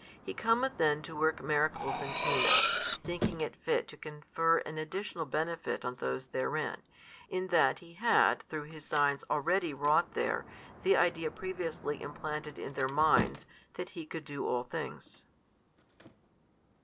He cometh then to work miracles in Cana, thinking it fit to confer an additional benefit on those therein, in that He had through His signs already wrought there, the idea previously implanted in their minds, that He could do all things.